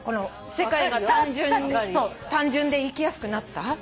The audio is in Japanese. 世界が単純で生きやすくなった？